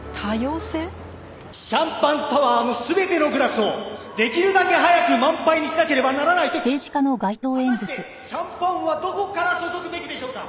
シャンパンタワーの全てのグラスをできるだけ早く満杯にしなければならない時果たしてシャンパンはどこから注ぐべきでしょうか？